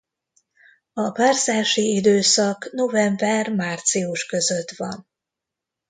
A párzási időszak november–március között van.